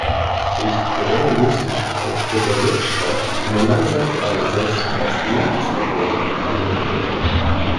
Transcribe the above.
Durch die geringe Löslichkeit wird der Wirkstoff nur langsam freigesetzt, was die Langzeitwirkung ermöglicht.